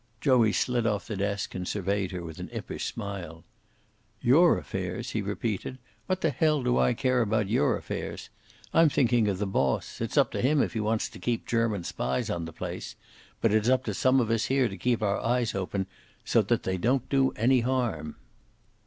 Joey slid off the desk and surveyed her with an impish smile. "Your affairs!" he repeated. "What the hell do I care about your affairs? I'm thinking of the boss. It's up to him if he wants to keep German spies on the place. But it's up to some of us here to keep our eyes open, so that they don't do any harm."